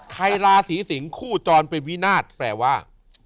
ราศีสิงคู่จรเป็นวินาศแปลว่า